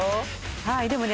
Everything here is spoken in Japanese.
はいでもね